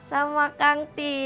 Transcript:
masapa daha tinggal